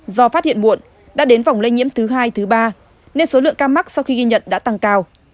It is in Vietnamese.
do phát hiện muộn đã đến vòng lây nhiễm thứ hai thứ ba nên số lượng ca mắc sau khi ghi nhận đã tăng cao